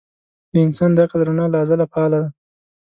د انسان د عقل رڼا له ازله فعاله ده.